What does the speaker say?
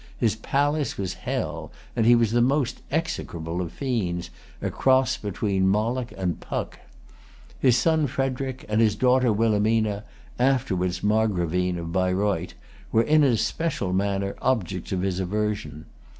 His palace was hell, and he the most execrable of fiends, a cross between Moloch and Puck. His son Frederic and his daughter Wilhelmina, afterwards Margravine of Baireuth, were in an especial manner objects of his aversion.